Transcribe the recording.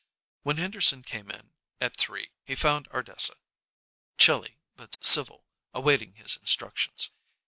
When Henderson came in at three he found Ardessa, chilly, but civil, awaiting his instructions.